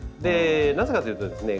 なぜかというとですね